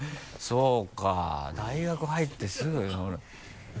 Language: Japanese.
そうか大学入ってすぐ。